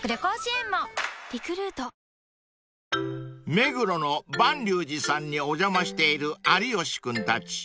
［目黒の蟠龍寺さんにお邪魔している有吉君たち］